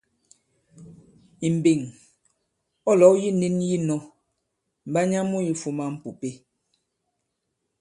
Ì mbeŋ, ɔ̌ lɔ̌w yi nĩn yī nɔ̄, Mbanya mu yifūmā m̀pùpe.